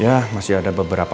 ya masih ada beberapa